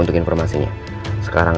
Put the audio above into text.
untuk leyat yang jelepon